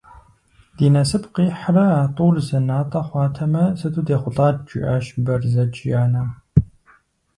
Ди насып къихьрэ а тӏур зэнатӏэ хъуатэмэ, сыту дехъулӏат, - жиӏащ Бэрзэдж и анэм.